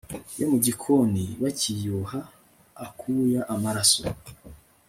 yo mu gikoni bakiyuha akuya amaraso